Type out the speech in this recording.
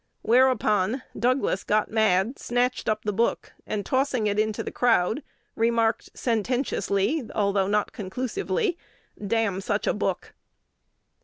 Whereupon "Douglas got mad," snatched up the book, and, tossing it into the crowd, remarked sententiously, although not conclusively, "Damn such a book!"